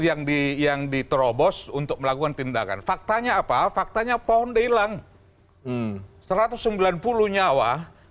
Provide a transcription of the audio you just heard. yang di yang diterobos untuk melakukan tindakan faktanya apa faktanya pohon hilang satu ratus sembilan puluh nyawa